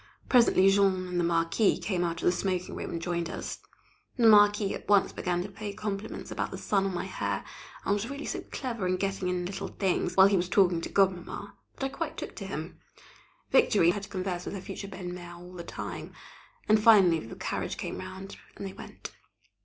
Presently Jean and the Marquis came out of the smoking room and joined us. The Marquis at once began to pay compliments about the sun on my hair, and was really so clever in getting in little things, while he was talking to Godmamma, that I quite took to him. Victorine had to converse with her future belle mère all the time, and finally the carriage came round, and they went.